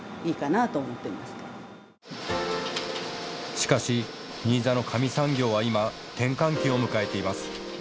しかし新座の紙産業は今、転換期を迎えています。